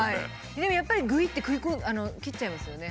でもやっぱりグイッて切っちゃいますよね